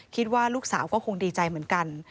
คิดว่าลูกสาวก็คงดีใจเหมือนกัน